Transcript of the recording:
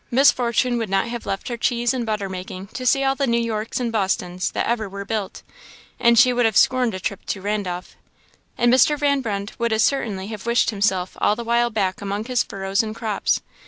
Miss Fortune would not have left her cheese and butter making to see all the New Yorks and Bostons that ever were built; and she would have scorned a trip to Randolph. And Mr. Van Brunt would as certainly have wished himself all the while back among his furrows and crops.